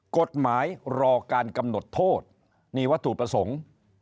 กฎหมายรอการกำหนดโทษนี่วัตถุประสงค์